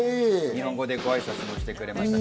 日本語でごあいさつもしてくれました。